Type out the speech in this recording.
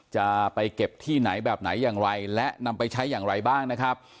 จะไปเก็บที่ไหนแบบไหนอย่างไรและนำไปใช้อย่างไรบ้างนะครับ